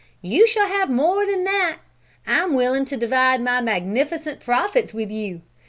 "You shall have more than that! I'm willing to divide my magnificent profits with you.